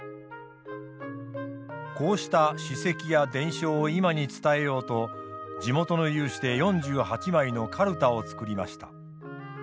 こうした史跡や伝承を今に伝えようと地元の有志で４８枚のかるたを作りました。